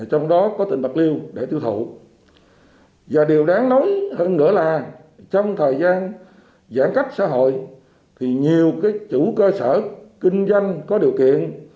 trong thời gian giãn cách xã hội thì nhiều chủ cơ sở kinh doanh có điều kiện